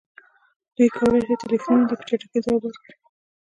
دوی کولی شي ټیلیفونونو ته په چټکۍ ځواب ورکړي